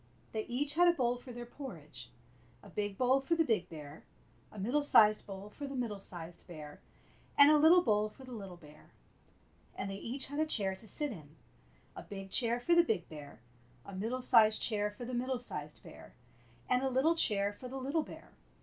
They each had a bowl for their porridge — a big bowl for the big bear, a middle sized bowl for the middle sized bear, and a little bowl for the little bear. And they each had a chair to sit in — a big chair for the big bear, a middle sized chair for the middle sized bear, and a little chair for the little bear.